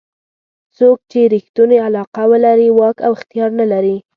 څوک چې ریښتونې علاقه لري واک او اختیار نه لري.